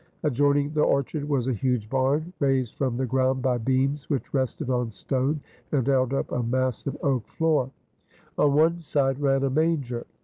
Adjoining the orchard was a huge barn raised from the ground by beams which rested on stone and held up a massive oak floor. On one side ran a manger.